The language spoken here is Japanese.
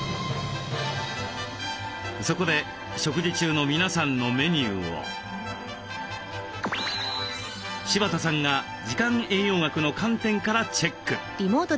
そこで食事中の皆さんのメニューを柴田さんが時間栄養学の観点からチェック！